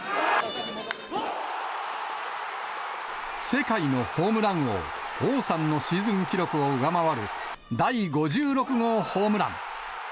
世界のホームラン王、王さんのシーズン記録を上回る、第５６号ホームラン。